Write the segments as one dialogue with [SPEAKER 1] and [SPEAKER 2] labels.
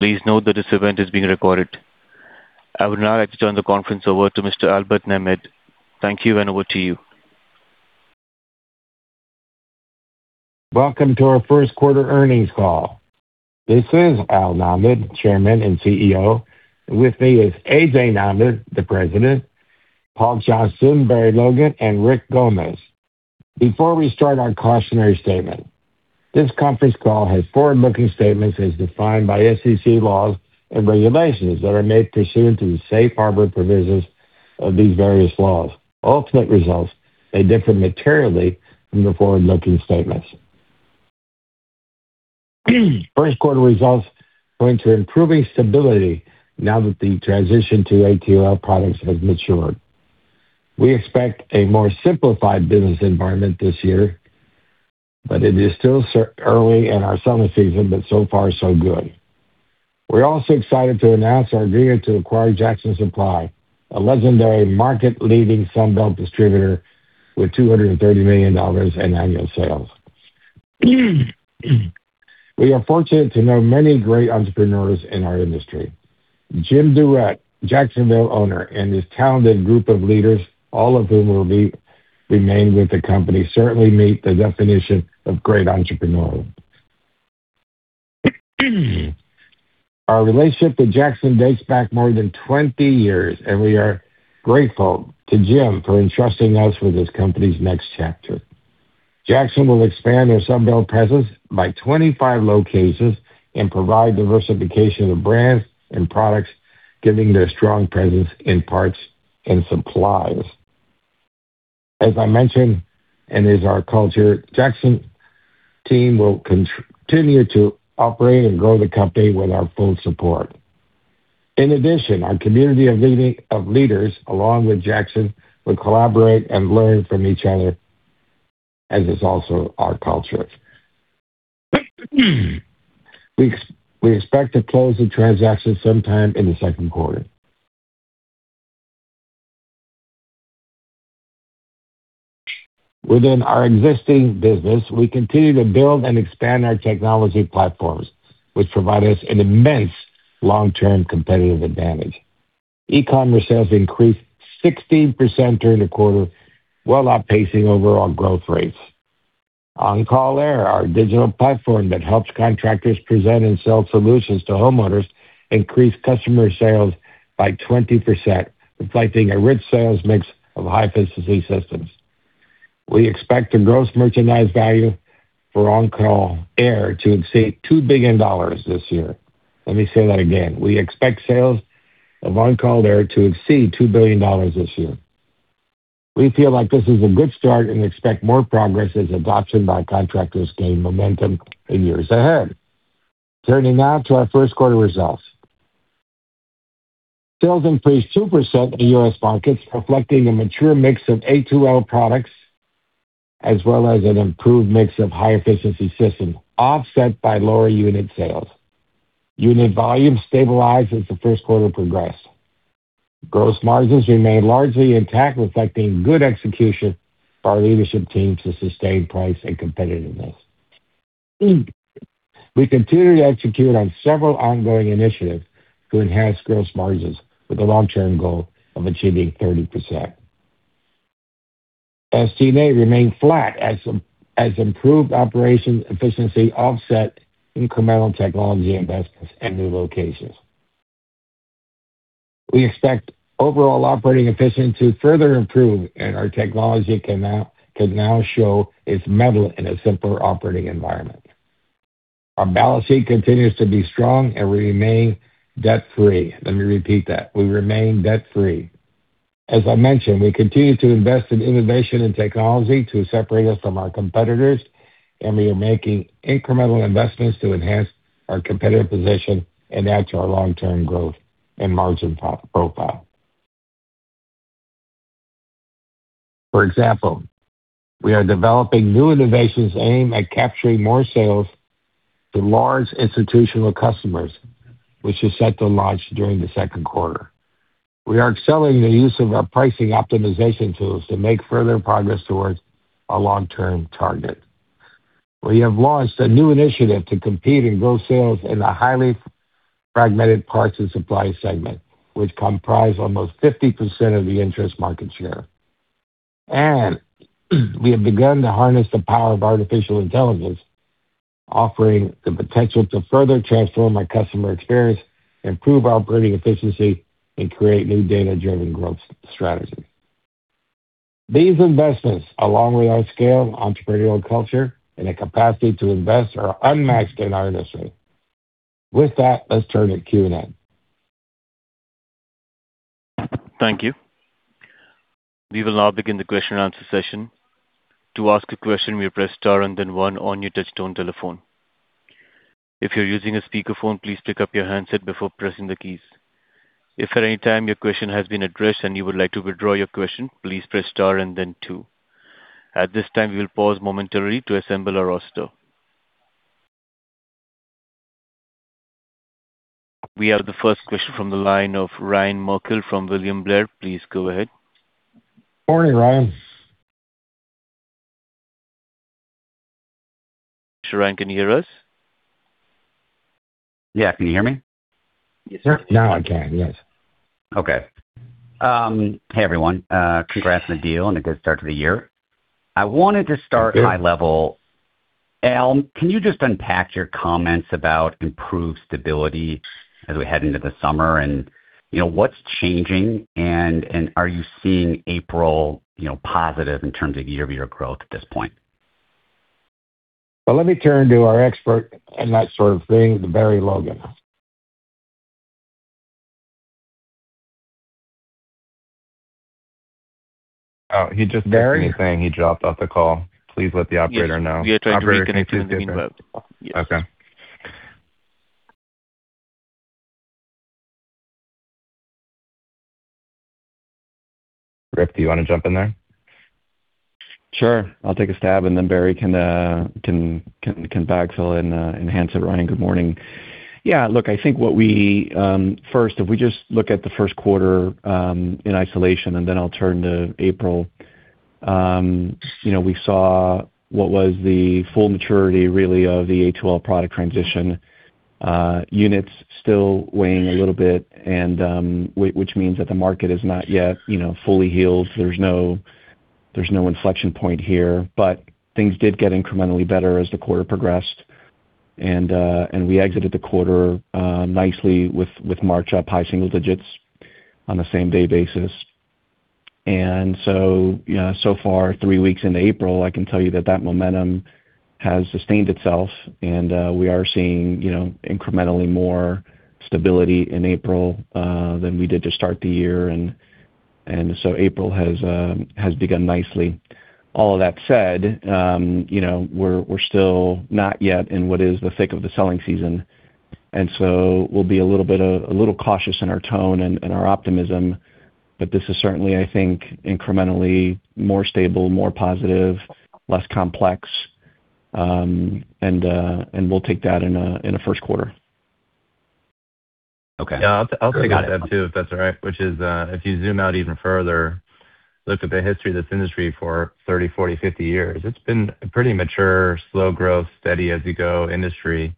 [SPEAKER 1] Please note that this event is being recorded. I would now like to turn the conference over to Mr. Albert Nahmad. Thank you, and over to you.
[SPEAKER 2] Welcome to our first quarter earnings call. This is Al Nahmad, Chairman and CEO. With me is A.J. Nahmad, the President, Paul Johnston, Barry Logan, and Rick Gomez. Before we start our cautionary statement, this conference call has forward-looking statements as defined by SEC laws and regulations that are made pursuant to the safe harbor provisions of these various laws. Ultimate results may differ materially from the forward-looking statements. First quarter results point to improving stability now that the transition to A2L products has matured. We expect a more simplified business environment this year, but it is still early in our summer season, but so far so good. We're also excited to announce our agreement to acquire Jackson Supply, a legendary market-leading Sunbelt distributor with $230 million in annual sales. We are fortunate to know many great entrepreneurs in our industry. Jim Durrett, Jacksonville owner, and his talented group of leaders, all of whom will remain with the company, certainly meet the definition of great entrepreneurial. Our relationship with Jackson dates back more than 20 years, we are grateful to Jim for entrusting us with his company's next chapter. Jackson will expand their Sunbelt presence by 25 locations and provide diversification of brands and products, giving their strong presence in parts and supplies. As I mentioned, is our culture, Jackson team will continue to operate and grow the company with our full support. In addition, our community of leaders, along with Jackson, will collaborate and learn from each other, as is also our culture. We expect to close the transaction sometime in the second quarter. Within our existing business, we continue to build and expand our technology platforms, which provide us an immense long-term competitive advantage. e-commerce sales increased 16% during the quarter, well outpacing overall growth rates. OnCall Air, our digital platform that helps contractors present and sell solutions to homeowners, increased customer sales by 20%, reflecting a rich sales mix of high-efficiency systems. We expect the gross merchandise value for OnCall Air to exceed $2 billion this year. Let me say that again. We expect sales of OnCall Air to exceed $2 billion this year. We feel like this is a good start and expect more progress as adoption by contractors gain momentum in years ahead. Turning now to our first quarter results. Sales increased 2% in U.S. markets, reflecting a mature mix of A2L products as well as an improved mix of high-efficiency systems, offset by lower unit sales. Unit volume stabilized as the first quarter progressed. Gross margins remained largely intact, reflecting good execution by our leadership team to sustain price and competitiveness. We continue to execute on several ongoing initiatives to enhance gross margins with the long-term goal of achieving 30%. SG&A remained flat as improved operations efficiency offset incremental technology investments and new locations. We expect overall operating efficiency to further improve, and our technology can now show its metal in a simpler operating environment. Our balance sheet continues to be strong, and we remain debt-free. Let me repeat that. We remain debt-free. As I mentioned, we continue to invest in innovation and technology to separate us from our competitors. We are making incremental investments to enhance our competitive position and add to our long-term growth and margin profile. For example, we are developing new innovations aimed at capturing more sales to large institutional customers, which is set to launch during the second quarter. We are accelerating the use of our pricing optimization tools to make further progress towards our long-term target. We have launched a new initiative to compete and grow sales in a highly fragmented parts and supply segment, which comprise almost 50% of the industry market share. We have begun to harness the power of artificial intelligence, offering the potential to further transform our customer experience, improve operating efficiency, and create new data-driven growth strategy. These investments, along with our scale, entrepreneurial culture, and a capacity to invest, are unmatched in our industry. With that, let's turn to Q&A.
[SPEAKER 1] Thank you. We will now begin the question-and-answer session. To ask a question, you may press star and then one on your touch tone telephone. If you're using a speakerphone, please pick up your handset before pressing the keys. If at any time your question has been addressed and you would like to withdraw your question, please press star and then two. At this time, we will pause momentarily to assemble our roster. We have the first question from the line of Ryan Merkel from William Blair. Please go ahead.
[SPEAKER 2] Morning, Ryan.
[SPEAKER 1] Ryan, can you hear us?
[SPEAKER 3] Yeah. Can you hear me?
[SPEAKER 2] Yes, sir.
[SPEAKER 1] Now I can, yes.
[SPEAKER 3] Okay. Hey, everyone. Congrats on the deal and a good start to the year. I wanted to start high level. Al, can you just unpack your comments about improved stability as we head into the summer? You know, what's changing? Are you seeing April, you know, positive in terms of year-over-year growth at this point?
[SPEAKER 2] Well, let me turn to our expert in that sort of thing, to Barry Logan.
[SPEAKER 4] Oh, he just.
[SPEAKER 2] Barry?
[SPEAKER 4] He's saying he dropped off the call. Please let the operator know.
[SPEAKER 2] Operator, can you please do that?
[SPEAKER 1] Okay.
[SPEAKER 2] Rick, do you wanna jump in there?
[SPEAKER 5] Sure. I'll take a stab, and then Barry can backfill and enhance it. Ryan, good morning. Yeah. Look, first, if we just look at the first quarter in isolation, and then I'll turn to April. You know, we saw what was the full maturity really of the A2L product transition. Units still weighing a little bit and which means that the market is not yet, you know, fully healed. There's no inflection point here. Things did get incrementally better as the quarter progressed. We exited the quarter nicely with March up high single digits on the same-day basis. You know, so far, three weeks into April, I can tell you that that momentum has sustained itself, and we are seeing, you know, incrementally more stability in April than we did to start the year. April has begun nicely. All of that said, you know, we're still not yet in what is the thick of the selling season, and so we'll be a little bit a little cautious in our tone and our optimism. This is certainly, I think, incrementally more stable, more positive, less complex. We'll take that in a first quarter.
[SPEAKER 3] Okay.
[SPEAKER 4] Yeah. I'll say that too, if that's all right. Which is, if you zoom out even further, look at the history of this industry for 30, 40, 50 years, it's been a pretty mature, slow growth, steady as you go industry.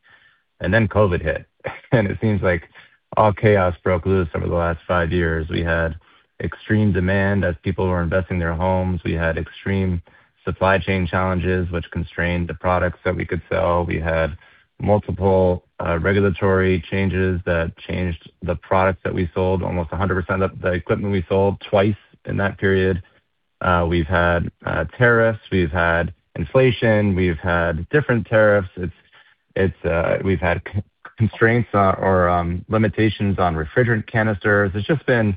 [SPEAKER 4] COVID hit, it seems like all chaos broke loose over the last five years. We had extreme demand as people were investing their homes. We had extreme supply chain challenges, which constrained the products that we could sell. We had multiple regulatory changes that changed the products that we sold, almost 100% of the equipment we sold twice in that period. We've had tariffs, we've had inflation, we've had different tariffs. It's, we've had constraints or limitations on refrigerant canisters. It's just been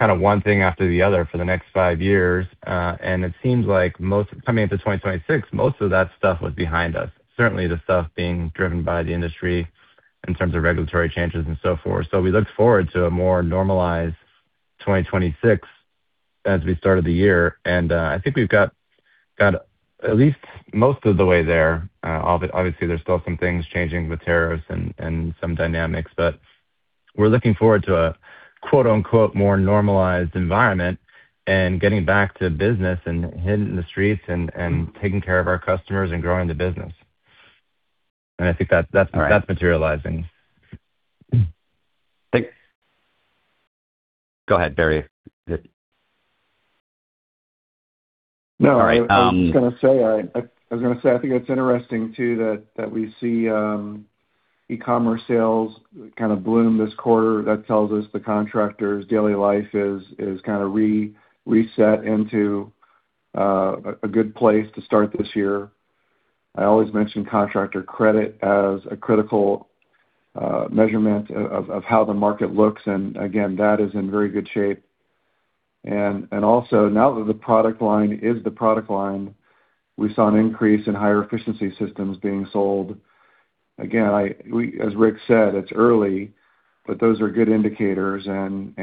[SPEAKER 4] kinda one thing after the other for the next five years. It seems like coming into 2026, most of that stuff was behind us. Certainly the stuff being driven by the industry in terms of regulatory changes and so forth. We looked forward to a more normalized 2026 as we started the year. I think we've got at least most of the way there. Obviously, there's still some things changing with tariffs and some dynamics, but we're looking forward to a quote-unquote 'more normalized environment' and getting back to business and hitting the streets and taking care of our customers and growing the business. I think that's materializing.
[SPEAKER 3] Thanks.
[SPEAKER 2] Go ahead, Barry.
[SPEAKER 6] No.
[SPEAKER 2] All right.
[SPEAKER 6] I was gonna say, I think it's interesting too that we see e-commerce sales kind of bloom this quarter. That tells us the contractors' daily life is kinda re-reset into a good place to start this year. I always mention contractor credit as a critical measurement of how the market looks. Again, that is in very good shape. Also, now that the product line is the product line, we saw an increase in higher efficiency systems being sold. Again, as Rick said, it's early, but those are good indicators and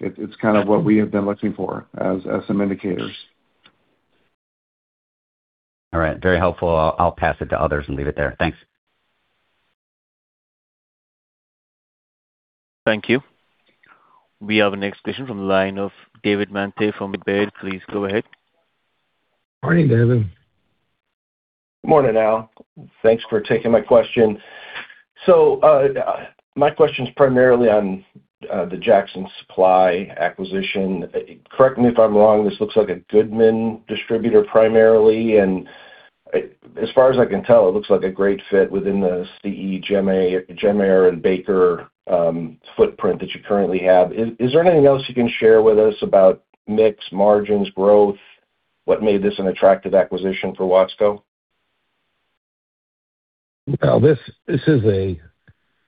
[SPEAKER 6] it's kind of what we have been looking for as some indicators.
[SPEAKER 3] All right. Very helpful. I'll pass it to others and leave it there. Thanks.
[SPEAKER 1] Thank you. We have our next question from the line of David Manthey from Baird. Please go ahead.
[SPEAKER 2] Morning, David.
[SPEAKER 7] Morning, Al. Thanks for taking my question. My question's primarily on the Jackson Supply acquisition. Correct me if I'm wrong, this looks like a Goodman distributor primarily. As far as I can tell, it looks like a great fit within the CE, Gemaire and Baker footprint that you currently have. Is there anything else you can share with us about mix, margins, growth? What made this an attractive acquisition for Watsco?
[SPEAKER 2] This is a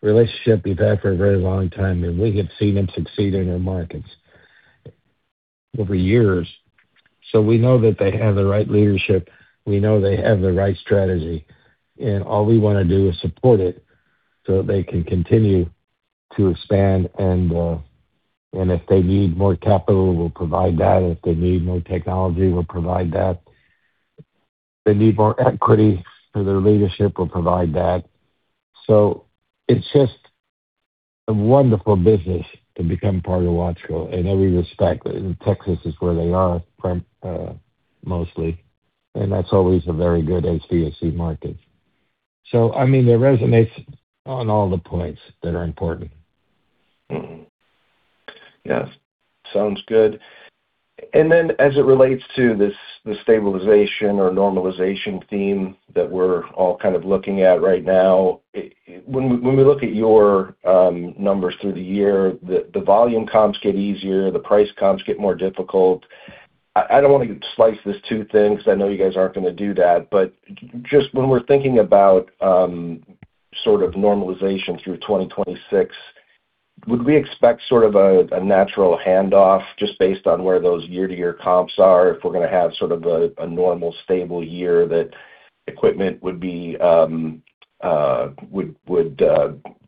[SPEAKER 2] relationship we've had for a very long time. We have seen them succeed in their markets over years. We know that they have the right leadership, we know they have the right strategy. All we wanna do is support it so that they can continue to expand. If they need more capital, we'll provide that. If they need more technology, we'll provide that. If they need more equity for their leadership, we'll provide that. A wonderful business to become part of Watsco in every respect. Texas is where they are from, mostly, and that's always a very good HVAC market. I mean, it resonates on all the points that are important.
[SPEAKER 7] Yes. Sounds good. As it relates to this, the stabilization or normalization theme that we're all kind of looking at right now, when we look at your numbers through the year, the volume comps get easier, the price comps get more difficult. I don't wanna slice this too thin because I know you guys aren't gonna do that, just when we're thinking about sort of normalization through 2026, would we expect sort of a natural handoff just based on where those year-to-year comps are if we're gonna have sort of a normal stable year that equipment would be, would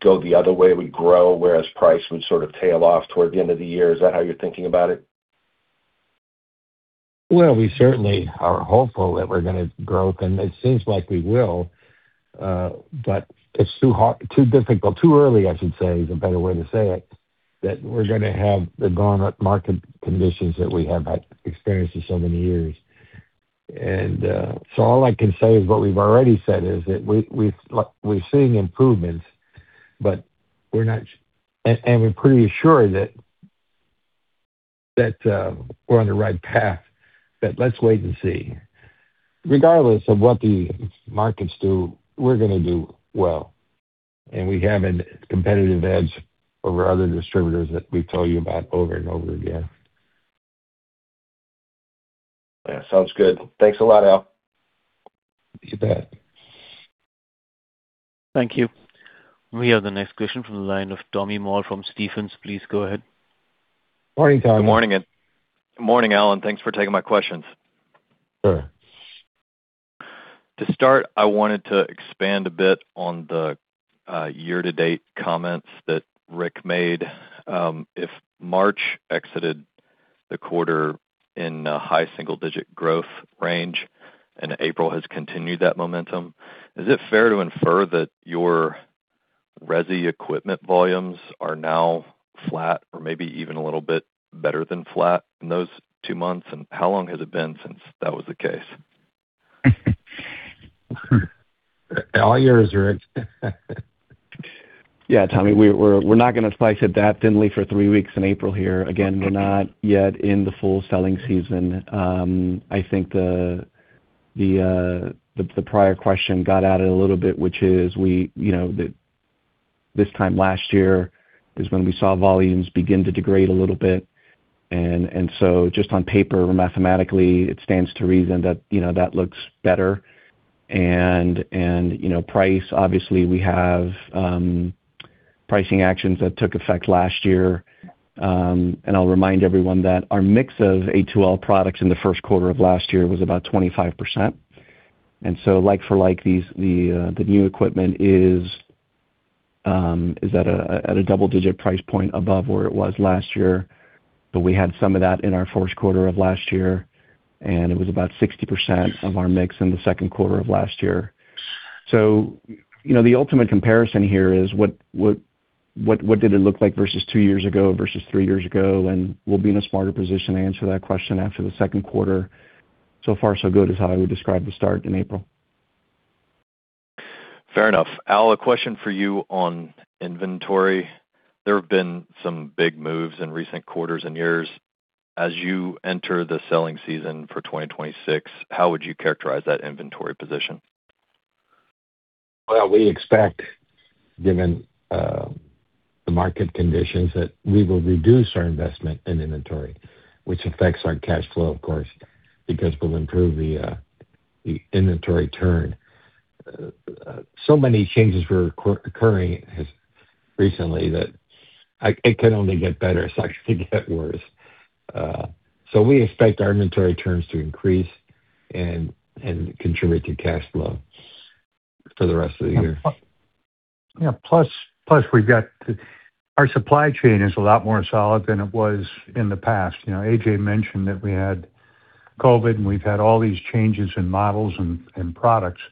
[SPEAKER 7] go the other way, would grow, whereas price would sort of tail off toward the end of the year? Is that how you're thinking about it?
[SPEAKER 2] Well, we certainly are hopeful that we're gonna grow. It seems like we will. It's too difficult, too early, I should say, is a better way to say it, that we're gonna have the constant market conditions that we have had experienced for so many years. All I can say is what we've already said, is that like we're seeing improvements. We're pretty assured that we're on the right path. Let's wait and see. Regardless of what the markets do, we're gonna do well. We have a competitive edge over other distributors that we tell you about over and over again.
[SPEAKER 7] Yeah. Sounds good. Thanks a lot, Al.
[SPEAKER 2] You bet.
[SPEAKER 1] Thank you. We have the next question from the line of Tommy Moll from Stephens. Please go ahead.
[SPEAKER 2] Morning, Tommy.
[SPEAKER 8] Good morning. Good morning, Al. Thanks for taking my questions.
[SPEAKER 2] Sure.
[SPEAKER 8] To start, I wanted to expand a bit on the year-to-date comments that Rick made. If March exited the quarter in a high single-digit growth range and April has continued that momentum, is it fair to infer that your resi equipment volumes are now flat or maybe even a little bit better than flat in those two months? How long has it been since that was the case?
[SPEAKER 2] All yours, Rick.
[SPEAKER 5] Yeah, Tommy Moll, we're not gonna slice it that thinly for three weeks in April here. We're not yet in the full selling season. I think the prior question got at it a little bit, which is we, you know, this time last year is when we saw volumes begin to degrade a little bit. Just on paper, mathematically, it stands to reason that, you know, that looks better. You know, price, obviously we have pricing actions that took effect last year. I'll remind everyone that our mix of A2L products in the first quarter of last year was about 25%. Like for like, these, the new equipment is at a double-digit price point above where it was last year. We had some of that in our fourth quarter of last year, and it was about 60% of our mix in the second quarter of last year. You know, the ultimate comparison here is what did it look like versus two years ago, versus three years ago, and we'll be in a smarter position to answer that question after the second quarter. Far so good is how I would describe the start in April.
[SPEAKER 8] Fair enough. Al, a question for you on inventory. There have been some big moves in recent quarters and years. As you enter the selling season for 2026, how would you characterize that inventory position?
[SPEAKER 2] Well, we expect, given the market conditions, that we will reduce our investment in inventory, which affects our cash flow, of course, because we'll improve the inventory turn. Many changes were occurring recently that it can only get better. It's not going to get worse. We expect our inventory turns to increase and contribute to cash flow for the rest of the year.
[SPEAKER 9] Yeah. Plus, we've got our supply chain is a lot more solid than it was in the past. You know, A.J. mentioned that we had COVID, we've had all these changes in models and products.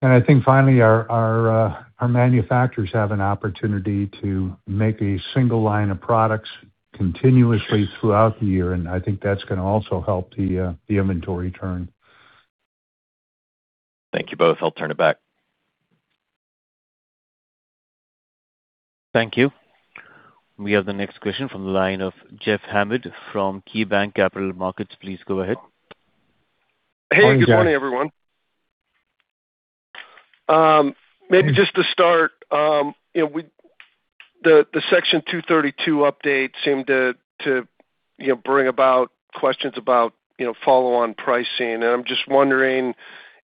[SPEAKER 9] I think finally our manufacturers have an opportunity to make a single line of products continuously throughout the year, I think that's gonna also help the inventory turn.
[SPEAKER 8] Thank you both. I'll turn it back.
[SPEAKER 1] Thank you. We have the next question from the line of Jeff Hammond from KeyBanc Capital Markets. Please go ahead.
[SPEAKER 2] Morning, Jeff.
[SPEAKER 10] Hey, good morning, everyone. Maybe just to start, you know, the Section 232 update seemed to, you know, bring about questions about, you know, follow on pricing. I'm just wondering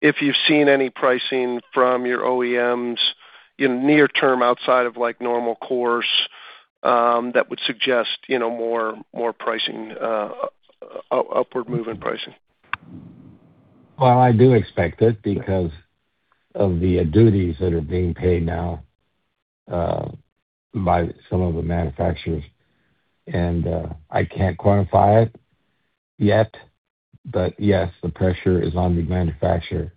[SPEAKER 10] if you've seen any pricing from your OEMs in near term outside of like normal course, that would suggest, you know, more pricing, upward move in pricing?
[SPEAKER 2] Well, I do expect it because of the duties that are being paid now by some of the manufacturers. I can't quantify it yet, but yes, the pressure is on the manufacturer,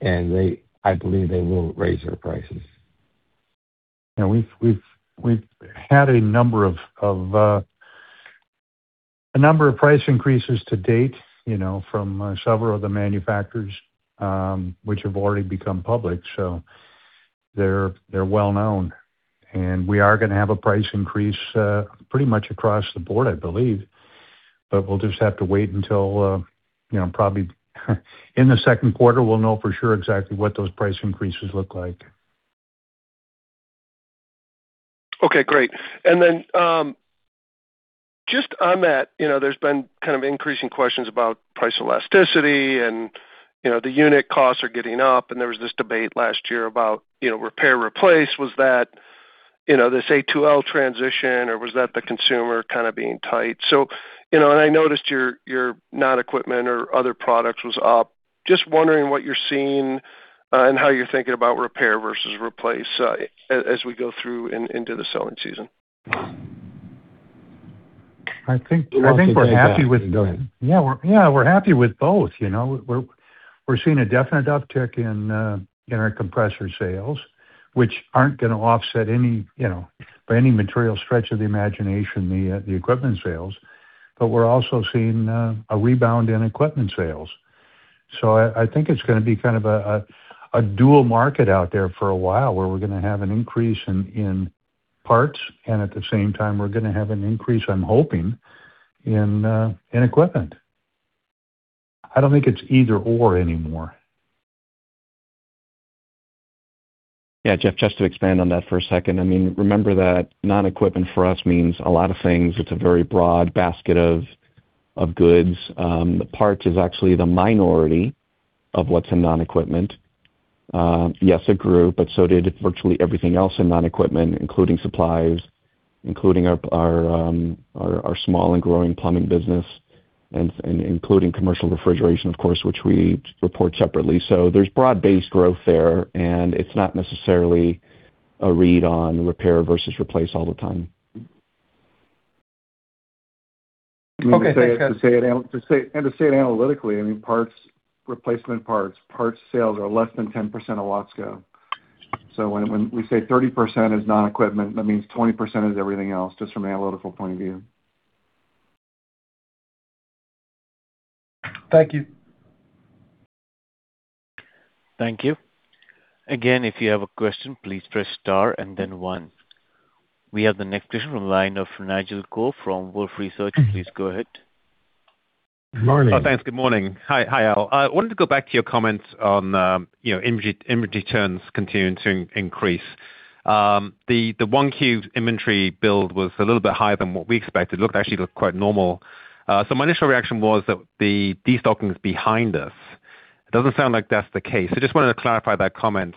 [SPEAKER 2] and I believe they will raise their prices.
[SPEAKER 9] You know, we've had a number of a number of price increases to date, you know, from several of the manufacturers, which have already become public, so they're well known. We are gonna have a price increase pretty much across the board, I believe. We'll just have to wait until, you know, probably in the second quarter, we'll know for sure exactly what those price increases look like.
[SPEAKER 10] Okay, great. Just on that, you know, there's been kind of increasing questions about price elasticity and, you know, the unit costs are getting up, and there was this debate last year about, you know, repair or replace. Was that, you know, this A2L transition, or was that the consumer kind of being tight? You know, and I noticed your non-equipment or other products was up. Just wondering what you're seeing and how you're thinking about repair versus replace as we go through into the selling season.
[SPEAKER 9] I think.
[SPEAKER 2] Go ahead.
[SPEAKER 9] Yeah, we're, yeah, we're happy with both, you know. We're, we're seeing a definite uptick in our compressor sales, which aren't gonna offset any, you know, by any material stretch of the imagination, the equipment sales. We're also seeing a rebound in equipment sales. I think it's gonna be kind of a, a dual market out there for a while, where we're gonna have an increase in parts, and at the same time, we're gonna have an increase, I'm hoping, in equipment. I don't think it's either/or anymore.
[SPEAKER 4] Jeff, just to expand on that for a second. Remember that non-equipment for us means a lot of things. It's a very broad basket of goods. The parts is actually the minority of what's in non-equipment. Yes, it grew, so did virtually everything else in non-equipment, including supplies, including our small and growing plumbing business and including commercial refrigeration, of course, which we report separately. There's broad-based growth there, and it's not necessarily a read on repair versus replace all the time.
[SPEAKER 10] Okay, thanks, guys.
[SPEAKER 2] To say it analytically, I mean, parts, replacement parts sales are less than 10% of Watsco. When we say 30% is non-equipment, that means 20% is everything else, just from an analytical point of view.
[SPEAKER 10] Thank you.
[SPEAKER 1] Thank you. Again, if you have a question, please press star and then one. We have the next question from the line of Nigel Coe from Wolfe Research. Please go ahead.
[SPEAKER 2] Morning.
[SPEAKER 11] Thanks. Good morning. Hi, all. I wanted to go back to your comments on, you know, inventory turns continuing to increase. The 1Q inventory build was a little bit higher than what we expected. Actually, looked quite normal. My initial reaction was that the destocking was behind us. It doesn't sound like that's the case. Just wanted to clarify that comment.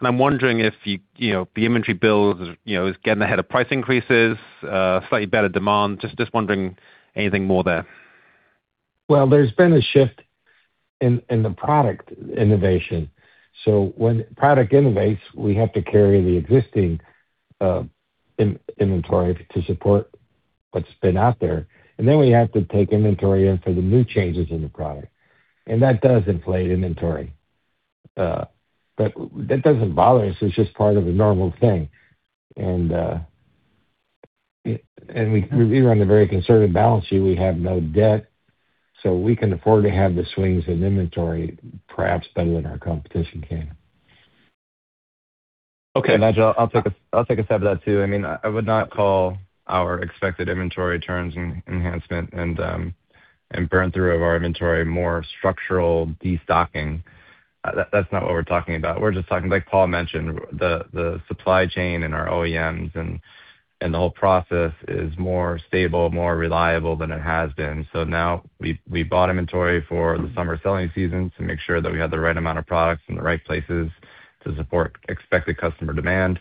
[SPEAKER 11] I'm wondering if you know, the inventory build is, you know, is getting ahead of price increases, slightly better demand. Just wondering anything more there.
[SPEAKER 2] There's been a shift in the product innovation. When product innovates, we have to carry the existing in-inventory to support what's been out there, and then we have to take inventory in for the new changes in the product. That does inflate inventory. That doesn't bother us. It's just part of a normal thing. We run a very conservative balance sheet. We have no debt, we can afford to have the swings in inventory perhaps better than our competition can.
[SPEAKER 11] Okay.
[SPEAKER 4] Nigel, I'll take a stab at that too. I mean, I would not call our expected inventory turns an enhancement and burn-through of our inventory more structural destocking. That's not what we're talking about. We're just talking, like Paul mentioned, the supply chain and our OEMs and the whole process is more stable, more reliable than it has been. Now we bought inventory for the summer selling season to make sure that we have the right amount of products in the right places to support expected customer demand.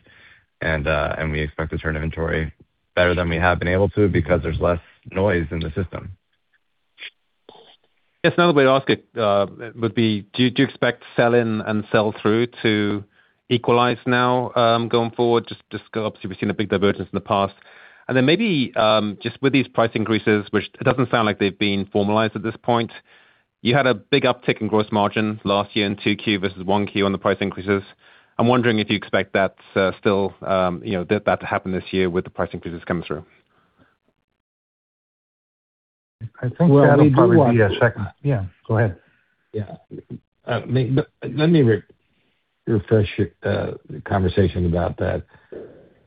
[SPEAKER 4] We expect to turn inventory better than we have been able to because there's less noise in the system.
[SPEAKER 11] Yes. Another way to ask it, would be do you expect sell-in and sell-through to equalize now going forward? Just obviously we've seen a big divergence in the past. Maybe just with these price increases, which it doesn't sound like they've been formalized at this point. You had a big uptick in gross margin last year in 2Q versus 1Q on the price increases. I'm wondering if you expect that still, you know, that to happen this year with the price increases coming through.
[SPEAKER 9] I think that'll probably be a second. Yeah, go ahead.
[SPEAKER 2] Let me refresh the conversation about that.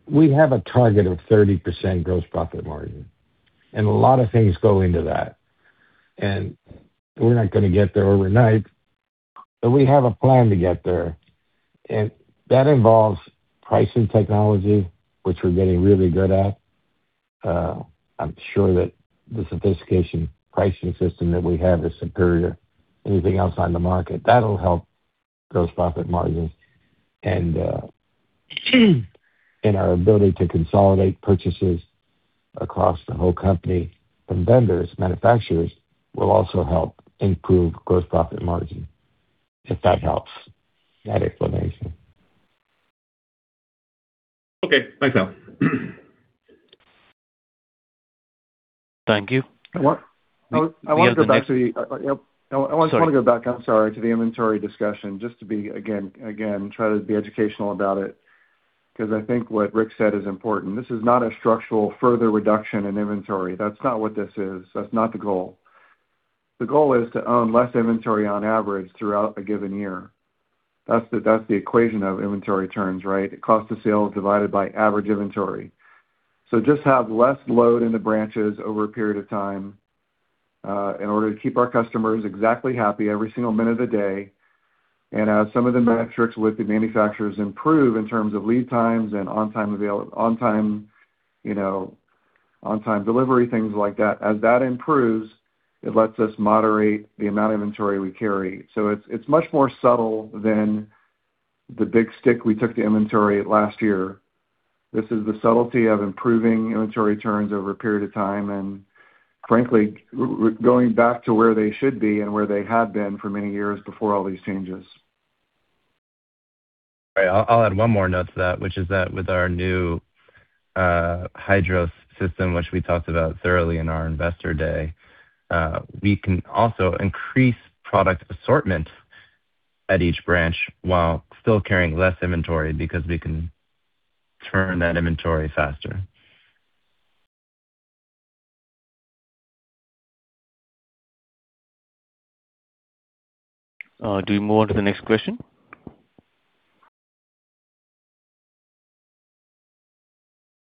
[SPEAKER 2] We have a target of 30% gross profit margin, and a lot of things go into that. We're not gonna get there overnight, but we have a plan to get there. That involves pricing technology, which we're getting really good at. I'm sure that the sophistication pricing system that we have is superior to anything else on the market. That'll help gross profit margins. Our ability to consolidate purchases across the whole company from vendors, manufacturers, will also help improve gross profit margin, if that helps that explanation.
[SPEAKER 11] Okay. Thanks, Al.
[SPEAKER 2] Thank you.
[SPEAKER 6] I want,
[SPEAKER 1] We have the next,
[SPEAKER 6] I want to go back to the, yep.
[SPEAKER 1] Sorry.
[SPEAKER 6] I want to just want to go back, I'm sorry, to the inventory discussion, just to be again, try to be educational about it, because I think what Rick said is important. This is not a structural further reduction in inventory. That's not what this is. That's not the goal. The goal is to own less inventory on average throughout a given year. That's the equation of inventory turns, right? Cost of sales divided by average inventory. Just have less load in the branches over a period of time, in order to keep our customers exactly happy every single minute of the day. As some of the metrics with the manufacturers improve in terms of lead times and on time, you know, on time delivery, things like that, as that improves, it lets us moderate the amount of inventory we carry. It's, it's much more subtle than the big stick we took to inventory last year. This is the subtlety of improving inventory turns over a period of time and frankly, going back to where they should be and where they had been for many years before all these changes.
[SPEAKER 4] Right. I'll add one more note to that, which is that with our new Hydros system, which we talked about thoroughly in our investor day, we can also increase product assortment at each branch while still carrying less inventory because we can turn that inventory faster.
[SPEAKER 1] Do we move on to the next question?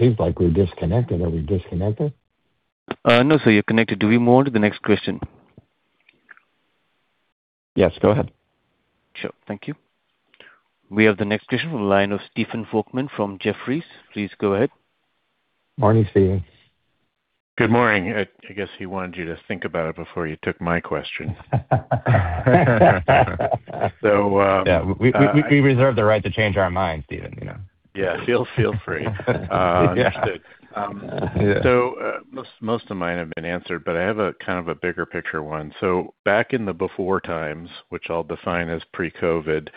[SPEAKER 2] Seems like we disconnected. Are we disconnected?
[SPEAKER 1] No, sir, you're connected. Do we move on to the next question?
[SPEAKER 2] Yes, go ahead.
[SPEAKER 1] Sure. Thank you. We have the next question from the line of Stephen Volkmann from Jefferies. Please go ahead.
[SPEAKER 2] Morning, Stephen.
[SPEAKER 12] Good morning. I guess he wanted you to think about it before you took my question.
[SPEAKER 2] Yeah, we reserve the right to change our minds, Stephen, you know.
[SPEAKER 12] Yeah, feel free.
[SPEAKER 2] Yeah.
[SPEAKER 12] Most of mine have been answered, but I have a kind of a bigger picture one. Back in the before times, which I'll define as pre-COVID,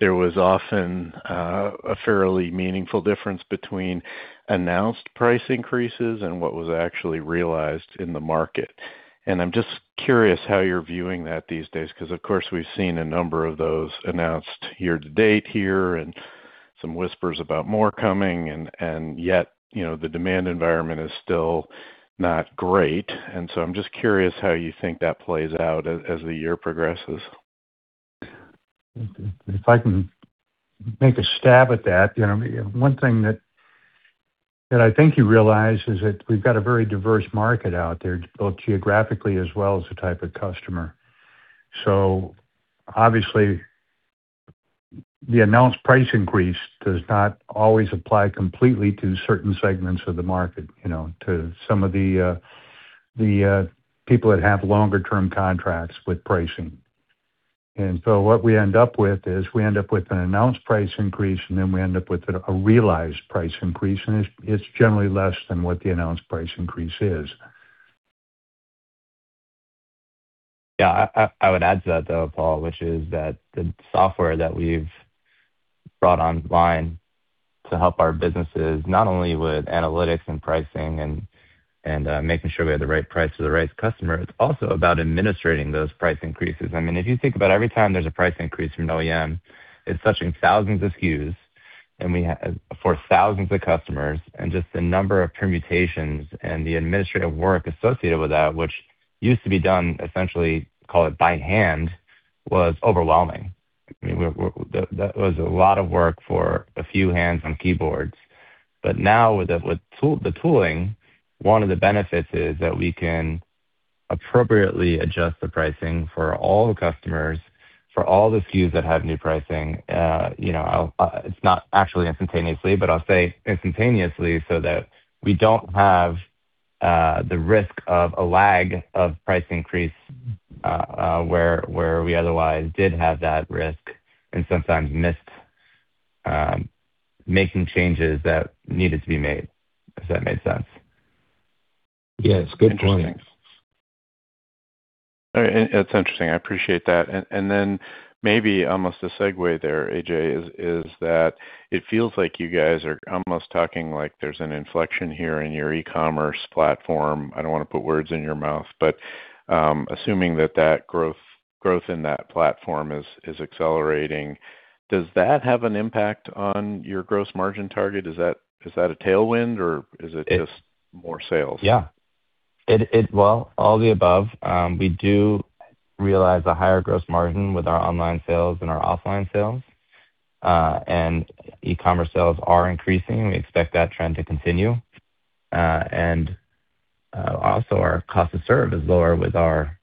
[SPEAKER 12] there was often a fairly meaningful difference between announced price increases and what was actually realized in the market. I'm just curious how you're viewing that these days, because of course we've seen a number of those announced year-to-date here and some whispers about more coming and yet, you know, the demand environment is still not great. I'm just curious how you think that plays out as the year progresses.
[SPEAKER 9] If I can make a stab at that. You know, one thing that I think you realize is that we've got a very diverse market out there, both geographically as well as the type of customer. Obviously, the announced price increase does not always apply completely to certain segments of the market, you know, to some of the, people that have longer term contracts with pricing. What we end up with is we end up with an announced price increase, and then we end up with a realized price increase, and it's generally less than what the announced price increase is.
[SPEAKER 4] Yeah. I would add to that, though, Paul, which is that the software that we've brought online to help our businesses, not only with analytics and pricing and making sure we have the right price for the right customer, it's also about administrating those price increases. I mean, if you think about every time there's a price increase from an OEM, it's touching thousands of SKUs, for thousands of customers and just the number of permutations and the administrative work associated with that, which used to be done essentially, call it by hand, was overwhelming. I mean, that was a lot of work for a few hands on keyboards. Now with the tooling, one of the benefits is that we can appropriately adjust the pricing for all the customers, for all the SKUs that have new pricing. You know, it's not actually instantaneously, but I'll say instantaneously so that we don't have the risk of a lag of price increase, where we otherwise did have that risk and sometimes missed making changes that needed to be made. If that made sense.
[SPEAKER 9] Yes. Good point.
[SPEAKER 2] Interesting.
[SPEAKER 12] It's interesting. I appreciate that. Then maybe almost a segue there, A.J., is that it feels like you guys are almost talking like there's an inflection here in your e-commerce platform. I don't want to put words in your mouth, but assuming that growth in that platform is accelerating, does that have an impact on your gross margin target? Is that a tailwind or is it just more sales?
[SPEAKER 4] Yeah. Well, all the above. We do realize a higher gross margin with our online sales than our offline sales. E-commerce sales are increasing. We expect that trend to continue. Also our cost to serve is lower with our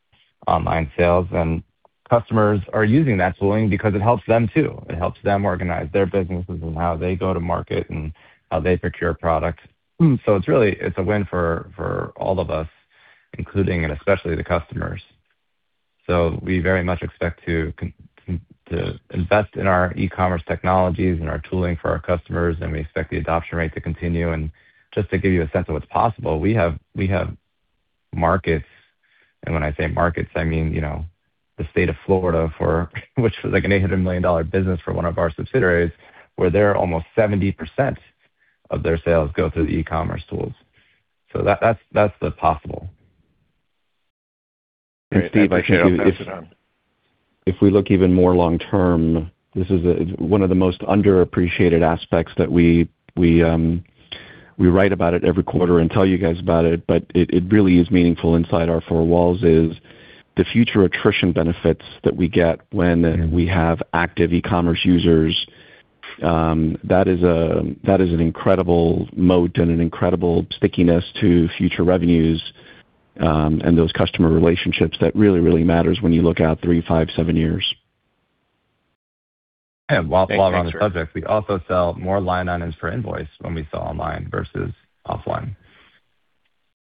[SPEAKER 4] online sales, and customers are using that tooling because it helps them too. It helps them organize their businesses and how they go to market and how they procure product. It's really, it's a win for all of us, including and especially the customers. We very much expect to invest in our e-commerce technologies and our tooling for our customers, and we expect the adoption rate to continue. Just to give you a sense of what's possible, we have markets. When I say markets, I mean, you know, the state of Florida for which was like an $800 million business for one of our subsidiaries, where they're almost 70% of their sales go through the e-commerce tools. That, that's the possible. Steve, I think if we look even more long term, this is one of the most underappreciated aspects that we write about it every quarter and tell you guys about it, but it really is meaningful inside our four walls is the future attrition benefits that we get when we have active e-commerce users. That is a, that is an incredible moat and an incredible stickiness to future revenues, and those customer relationships that really matters when you look out three, five, seven years.
[SPEAKER 6] Yeah. While we're on the subject, we also sell more line items for invoice when we sell online versus offline.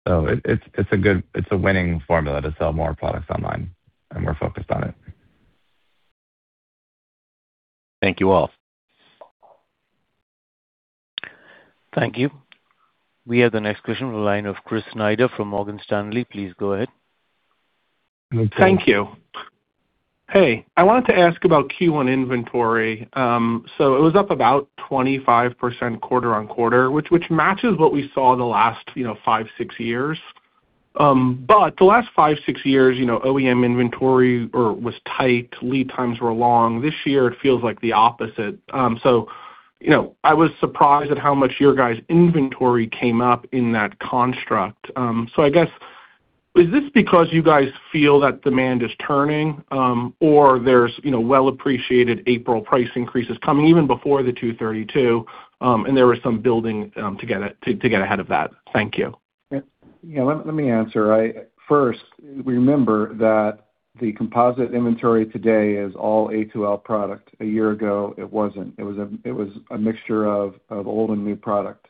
[SPEAKER 6] It's a winning formula to sell more products online, and we're focused on it.
[SPEAKER 12] Thank you all.
[SPEAKER 1] Thank you. We have the next question on the line of Chris Snyder from Morgan Stanley. Please go ahead.
[SPEAKER 13] Thank you. Hey, I wanted to ask about Q1 inventory. It was up about 25% quarter-on-quarter, which matches what we saw in the last, you know, five, six years. The last five, six years, you know, OEM inventory was tight, lead times were long. This year, it feels like the opposite. You know, I was surprised at how much your guys' inventory came up in that construct. I guess, is this because you guys feel that demand is turning, or there's, you know, well-appreciated April price increases coming even before the Section 232, and there was some building to get ahead of that? Thank you.
[SPEAKER 6] Yeah. Let me answer. First, remember that the composite inventory today is all A2L product. A year ago, it wasn't. It was a mixture of old and new product.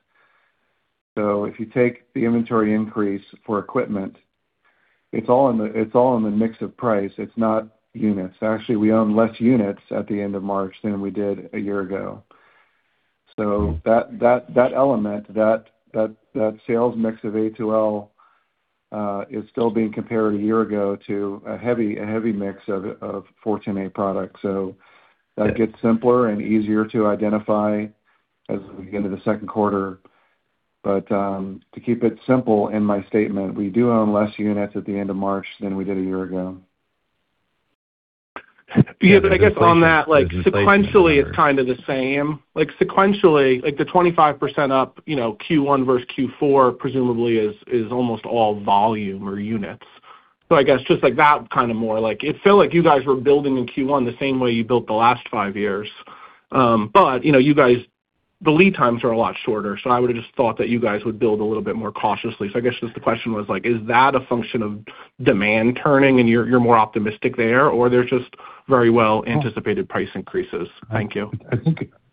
[SPEAKER 6] If you take the inventory increase for equipment, it's all in the mix of price. It's not units. Actually, we own less units at the end of March than we did a year ago. That element, that sales mix of A2L is still being compared a year ago to a heavy mix of 14A products. That gets simpler and easier to identify as we get into the second quarter. To keep it simple in my statement, we do own less units at the end of March than we did a year ago.
[SPEAKER 13] Yeah. I guess on that, like, sequentially it's kind of the same. Sequentially, like the 25% up, you know, Q1 versus Q4 presumably is almost all volume or units. I guess just like that kind of more like it felt like you guys were building in Q1 the same way you built the last five years. You know, the lead times are a lot shorter, so I would've just thought that you guys would build a little bit more cautiously. I guess just the question was like, is that a function of demand turning and you're more optimistic there, or there's just very well anticipated price increases? Thank you.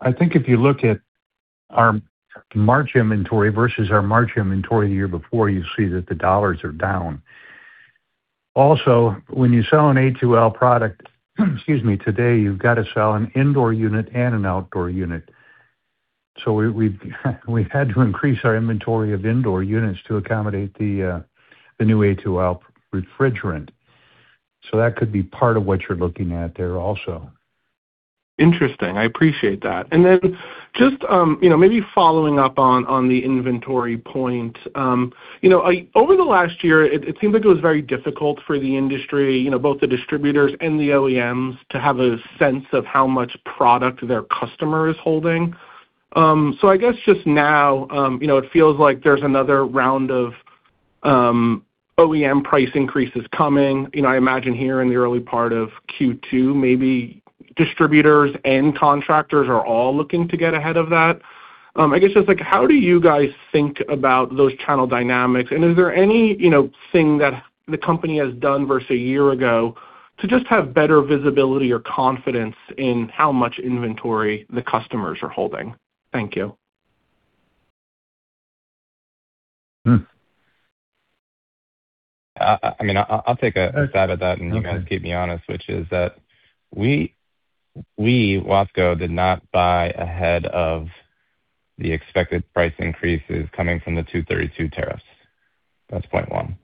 [SPEAKER 9] I think if you look at our March inventory versus our March inventory the year before, you see that the dollars are down. When you sell an A2L product, excuse me, today, you've got to sell an indoor unit and an outdoor unit. We've had to increase our inventory of indoor units to accommodate the new A2L refrigerant. That could be part of what you're looking at there also.
[SPEAKER 13] Interesting. I appreciate that. Then just, you know, maybe following up on the inventory point. You know, over the last year, it seems like it was very difficult for the industry, you know, both the distributors and the OEMs, to have a sense of how much product their customer is holding. I guess just now, you know, it feels like there's another round of OEM price increases coming. You know, I imagine here in the early part of Q2, maybe distributors and contractors are all looking to get ahead of that. I guess just like how do you guys think about those channel dynamics? Is there any, you know, thing that the company has done versus a year ago to just have better visibility or confidence in how much inventory the customers are holding? Thank you.
[SPEAKER 4] I mean, I'll take a stab at that and you guys keep me honest, which is that we, Watsco, did not buy ahead of the expected price increases coming from the Section 232 tariffs. That's point one.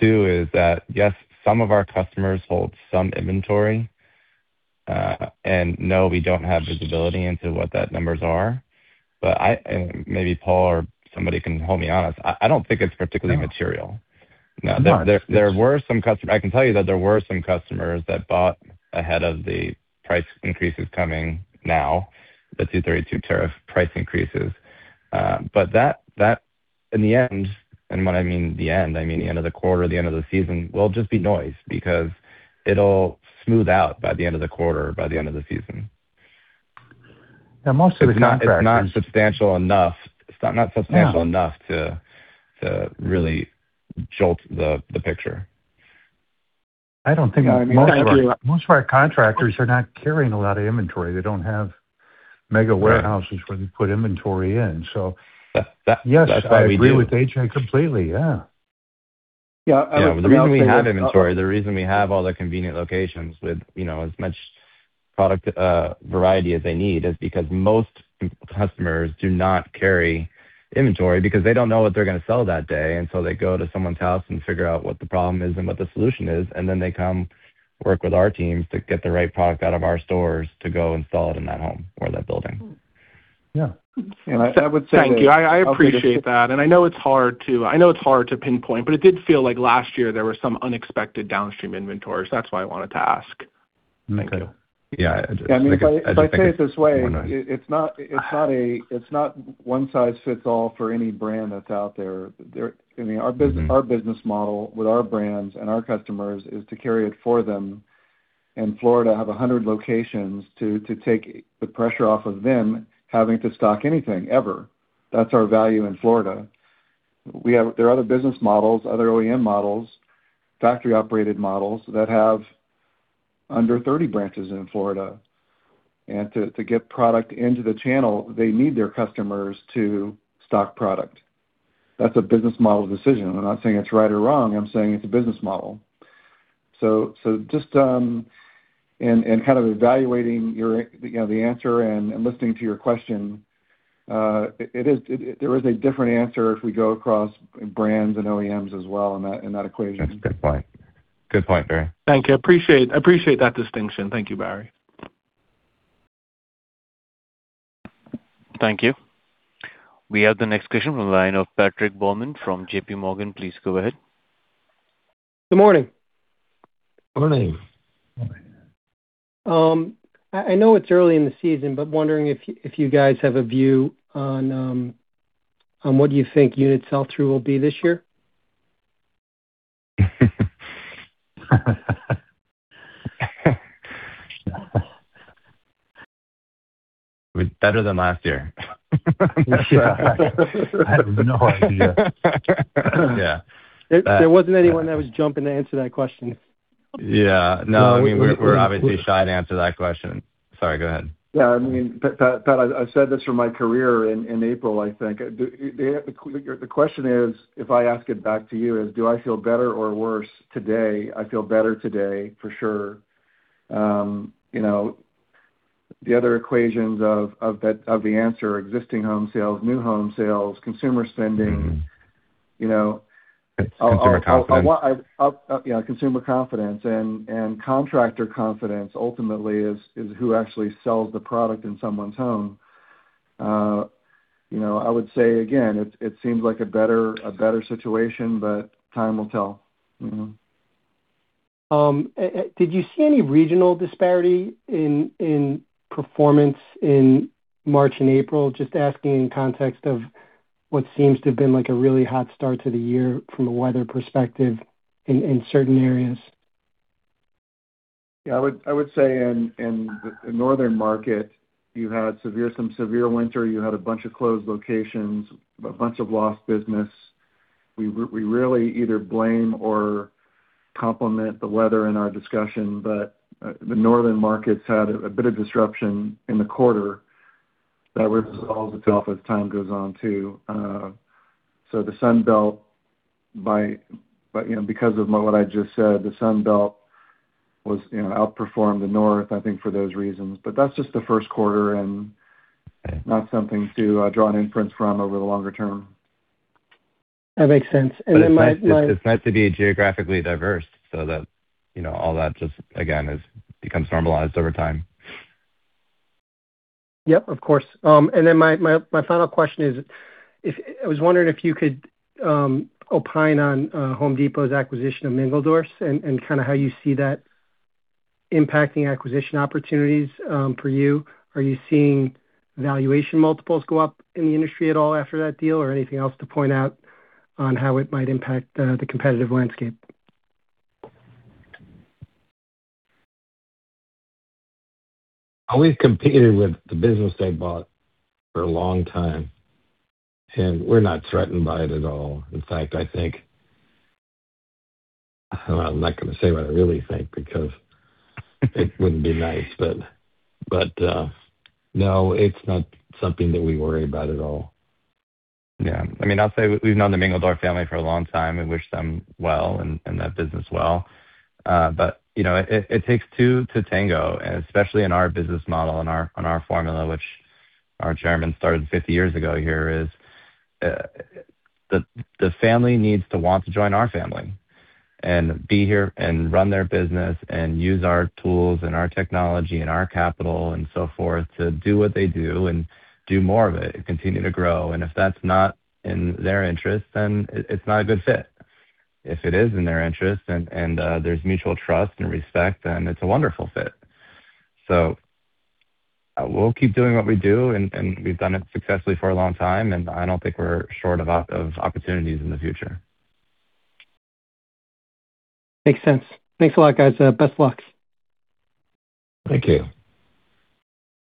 [SPEAKER 4] Two is that, yes, some of our customers hold some inventory, and no, we don't have visibility into what that numbers are. Maybe Paul or somebody can hold me honest. I don't think it's particularly material. No. There were some I can tell you that there were some customers that bought ahead of the price increases coming now, the Section 232 tariff price increases. That in the end, and when I mean the end, I mean the end of the quarter, the end of the season, will just be noise because it'll smooth out by the end of the quarter, by the end of the season.
[SPEAKER 9] Now, most of the contractors-
[SPEAKER 4] It's not substantial enough. It's not substantial enough to really jolt the picture.
[SPEAKER 9] I don't think most of.
[SPEAKER 13] Thank you.
[SPEAKER 9] Most of our contractors are not carrying a lot of inventory. They don't have mega warehouses where they put inventory in.
[SPEAKER 4] That's why we do-
[SPEAKER 9] Yes, I agree with A.J. completely. Yeah.
[SPEAKER 2] Yeah.
[SPEAKER 4] The reason we have inventory, the reason we have all the convenient locations with, you know, as much product variety as they need is because most customers do not carry inventory because they don't know what they're gonna sell that day until they go to someone's house and figure out what the problem is and what the solution is, and then they come work with our teams to get the right product out of our stores to go install it in that home or that building.
[SPEAKER 2] Yeah.
[SPEAKER 6] I would say.
[SPEAKER 13] Thank you. I appreciate that. I know it's hard to pinpoint, but it did feel like last year there were some unexpected downstream inventories. That's why I wanted to ask. Thank you.
[SPEAKER 4] Okay. Yeah.
[SPEAKER 6] Yeah, I mean, if I say it this way.
[SPEAKER 4] Go on.
[SPEAKER 6] it's not, it's not a, it's not one size fits all for any brand that's out there. I mean, our business, our business model with our brands and our customers is to carry it for them. In Florida have 100 locations to take the pressure off of them having to stock anything ever. That's our value in Florida. There are other business models, other OEM models, factory-operated models that have under 30 branches in Florida. To get product into the channel, they need their customers to stock product. That's a business model decision. I'm not saying it's right or wrong, I'm saying it's a business model. Just and kind of evaluating your, you know, the answer and listening to your question, there is a different answer if we go across brands and OEMs as well in that equation.
[SPEAKER 4] That's a good point. Good point, Barry.
[SPEAKER 13] Thank you. Appreciate that distinction. Thank you, Barry.
[SPEAKER 1] Thank you. We have the next question from the line of Patrick Baumann from JPMorgan. Please go ahead.
[SPEAKER 14] Good morning.
[SPEAKER 2] Morning.
[SPEAKER 4] Morning.
[SPEAKER 14] I know it's early in the season, but wondering if you guys have a view on what you think unit sell-through will be this year.
[SPEAKER 4] It's better than last year.
[SPEAKER 2] Yeah. I have no idea.
[SPEAKER 4] Yeah.
[SPEAKER 14] There wasn't anyone that was jumping to answer that question.
[SPEAKER 4] Yeah, no. I mean, we're obviously shy to answer that question. Sorry, go ahead.
[SPEAKER 6] Yeah, I mean, Pat, I've said this for my career in April, I think. The question is, if I ask it back to you is, do I feel better or worse today? I feel better today, for sure. You know, the other equations of that, of the answer, existing home sales, new home sales, consumer spending you know.
[SPEAKER 4] It's consumer confidence.
[SPEAKER 6] Yeah, consumer confidence and contractor confidence ultimately is who actually sells the product in someone's home. You know, I would say again, it seems like a better situation, but time will tell.
[SPEAKER 14] Did you see any regional disparity in performance in March and April? Just asking in context of what seems to have been, like, a really hot start to the year from a weather perspective in certain areas.
[SPEAKER 6] Yeah, I would say in the northern market, you had severe winter. You had a bunch of closed locations, a bunch of lost business. We really either blame or compliment the weather in our discussion. The northern markets had a bit of disruption in the quarter that resolves itself as time goes on, too. The Sun Belt, by, you know, because of what I just said, the Sun Belt was, you know, outperformed the North, I think, for those reasons. That's just the first quarter.
[SPEAKER 14] Okay
[SPEAKER 6] Not something to draw an inference from over the longer term.
[SPEAKER 14] That makes sense.
[SPEAKER 4] It's nice to be geographically diverse so that, you know, all that just, again, becomes normalized over time.
[SPEAKER 14] Yep, of course. My final question is I was wondering if you could opine on Home Depot's acquisition of Mingledorff's and kind of how you see that impacting acquisition opportunities for you. Are you seeing valuation multiples go up in the industry at all after that deal or anything else to point out on how it might impact the competitive landscape?
[SPEAKER 2] We've competed with the business they bought for a long time. We're not threatened by it at all. In fact, I think. I'm not gonna say what I really think because it wouldn't be nice. No, it's not something that we worry about at all.
[SPEAKER 4] Yeah. I mean, I'll say we've known the Mingledorff family for a long time and wish them well and that business well. You know, it takes two to tango, especially in our business model and on our formula, which our Chairman started 50 years ago here is, the family needs to want to join our family and be here and run their business and use our tools and our technology and our capital and so forth to do what they do and do more of it and continue to grow. If that's not in their interest, then it's not a good fit. If it is in their interest and there's mutual trust and respect, then it's a wonderful fit. We'll keep doing what we do, and we've done it successfully for a long time, and I don't think we're short of opportunities in the future.
[SPEAKER 14] Makes sense. Thanks a lot, guys. Best luck.
[SPEAKER 2] Thank you.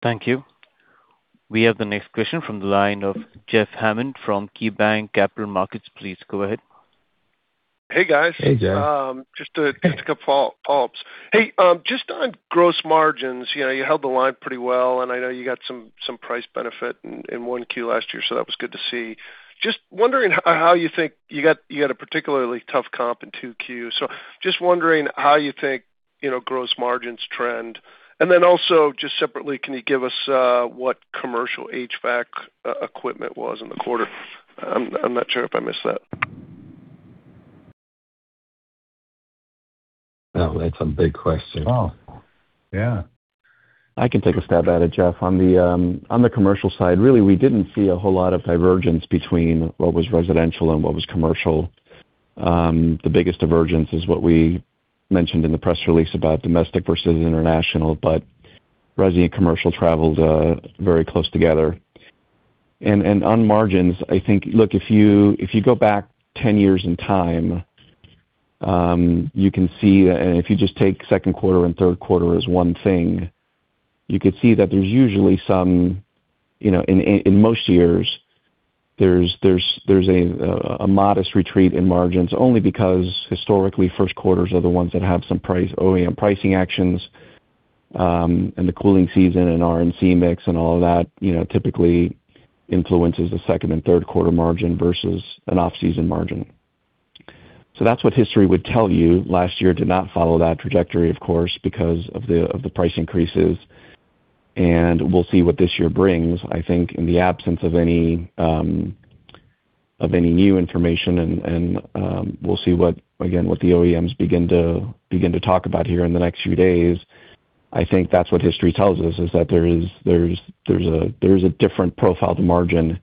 [SPEAKER 1] Thank you. We have the next question from the line of Jeff Hammond from KeyBanc Capital Markets. Please go ahead.
[SPEAKER 10] Hey, guys.
[SPEAKER 4] Hey, Jeff.
[SPEAKER 10] Hey, just on gross margins, you know, you held the line pretty well, and I know you got some price benefit in 1Q last year, so that was good to see. Just wondering how you think. You had a particularly tough comp in 2Q. Just wondering how you think gross margins trend. Then also, just separately, can you give us what commercial HVAC equipment was in the quarter? I'm not sure if I missed that.
[SPEAKER 5] Oh, that's a big question.
[SPEAKER 2] Oh, yeah.
[SPEAKER 5] I can take a stab at it, Jeff. On the, on the Commercial side, really, we didn't see a whole lot of divergence between what was Residential and what was Commercial. The biggest divergence is what we mentioned in the press release about domestic versus international, but resi and Commercial traveled very close together. On margins, I think. If you go back 10 years in time, you can see, and if you just take second quarter and third quarter as one thing, you could see that there's usually some, you know, in most years there's a modest retreat in margins, only because historically first quarters are the ones that have some price OEM pricing actions, and the cooling season and R&C mix and all of that, you know, typically influences the second and third quarter margin versus an off-season margin. That's what history would tell you. Last year did not follow that trajectory, of course, because of the price increases, we'll see what this year brings. I think in the absence of any new information, we'll see what again the OEMs begin to talk about here in the next few days. I think that's what history tells us, is that there's a different profile to margin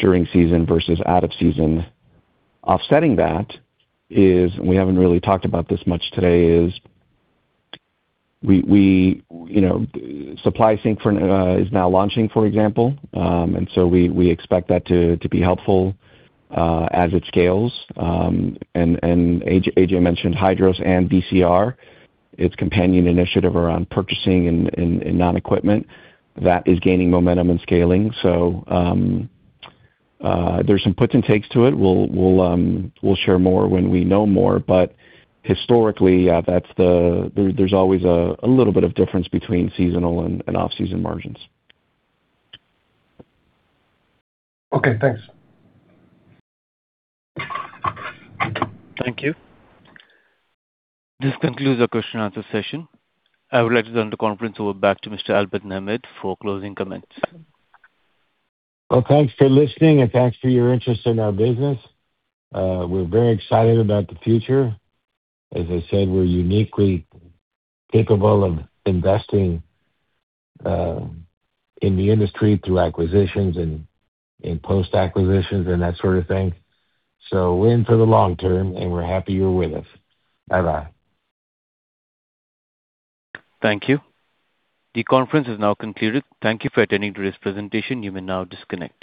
[SPEAKER 5] during season versus out of season. Offsetting that is, and we haven't really talked about this much today, is we, you know, Supply Sync for, is now launching, for example. We expect that to be helpful as it scales. A.J. mentioned Hydros and DCR, its companion initiative around purchasing and non-equipment. That is gaining momentum and scaling. There's some puts and takes to it. We'll share more when we know more. Historically, there's always a little bit of difference between seasonal and off-season margins.
[SPEAKER 10] Okay, thanks.
[SPEAKER 1] Thank you. This concludes the question and answer session. I would like to turn the conference over back to Mr. Albert Nahmad for closing comments.
[SPEAKER 2] Thanks for listening, and thanks for your interest in our business. We're very excited about the future. As I said, we're uniquely capable of investing in the industry through acquisitions and in post-acquisitions and that sort of thing. We're in for the long term, and we're happy you're with us. Bye-bye.
[SPEAKER 1] Thank you. The conference is now concluded. Thank you for attending today's presentation. You may now disconnect.